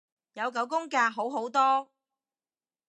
有九宮格好好多